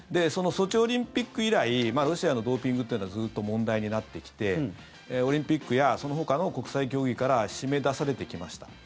ソチオリンピック以来ロシアのドーピングっていうのはずっと問題になってきてオリンピックやそのほかの国際競技から締め出されてきました。